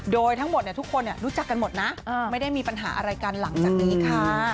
โดยทั้งหมดทุกคนรู้จักกันหมดนะไม่ได้มีปัญหาอะไรกันหลังจากนี้ค่ะ